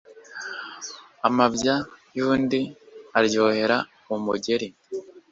amabya y'undi aryohera umugeri